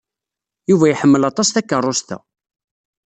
Yuba iḥemmel aṭas takeṛṛust-a.